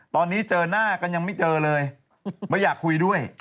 ตอนนี้เจอหน้ากันยังไม่เจอเลยไม่อยากคุยด้วย